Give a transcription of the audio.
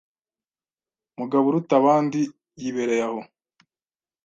Mugaburutabandi yibereye aho